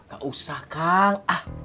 gak usah kang